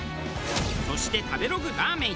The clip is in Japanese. そして食べログラーメン